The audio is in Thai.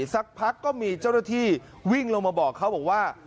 สักพักก็มีเจ้าหน้าที่วิ่งลงมาบอกเขาบอกว่า